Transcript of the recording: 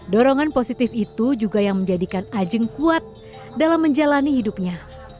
dorongan positif itu juga yang menjadikan ajeng kuat dalam menjalani hidupnya